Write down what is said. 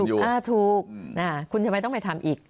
อ่าถูกอ่าถูกคุณทำไมต้องไปทำอีก